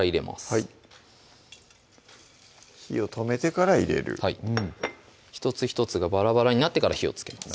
はい火を止めてから入れるうん１つ１つがバラバラになってから火をつけます